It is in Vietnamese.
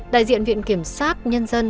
đại diện viện kiểm soát nhân dân